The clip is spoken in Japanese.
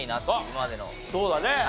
そうだね。